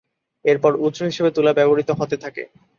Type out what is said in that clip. এরপর উৎস হিসেবে তুলা ব্যবহৃত হতে থাকে।